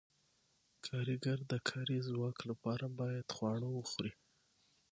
کارګر د کاري ځواک لپاره باید خواړه وخوري.